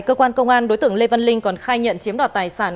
cơ quan công an đối tượng lê văn linh còn khai nhận chiếm đoạt tài sản